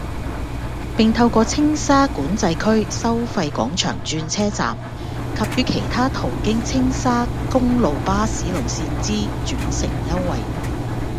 並透過青沙管制區收費廣場轉車站及與其他途經青沙公路巴士路線之轉乘優惠，